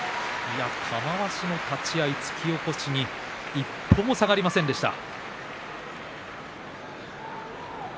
玉鷲の立ち合い、突き起こしに一歩も下がりませんでした。